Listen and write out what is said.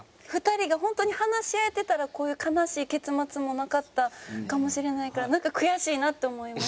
２人が本当に話し合えてたらこういう悲しい結末もなかったかもしれないからなんか悔しいなって思いましたね。